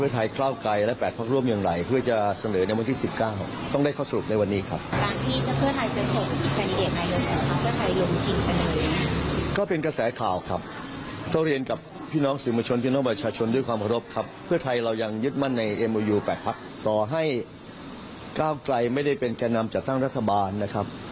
ต่อให้ก้าวกายไม่ได้เป็นแก่นำจัดตั้งรัฐบาลนะครับ